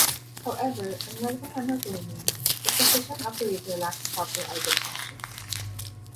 However, unlike the Hamiltonian, the position operator lacks proper eigenfunctions.